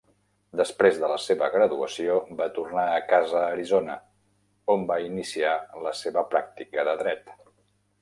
Després de la seva graduació, va tornar a casa a Arizona, on va iniciar la seva pràctica de dret.